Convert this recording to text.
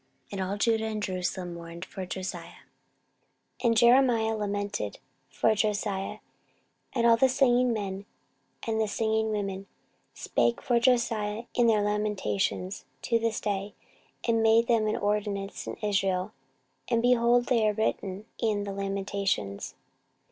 And all Judah and Jerusalem mourned for Josiah. 14:035:025 And Jeremiah lamented for Josiah: and all the singing men and the singing women spake of Josiah in their lamentations to this day, and made them an ordinance in Israel: and, behold, they are written in the lamentations.